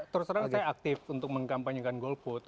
terus terang saya aktif untuk mengkampanyekan golput